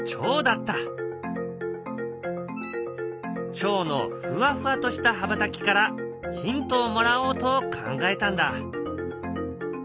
チョウのふわふわとした羽ばたきからヒントをもらおうと考えたんだ。